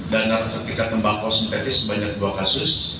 dan narkotika tembakau sintetis sebanyak dua kasus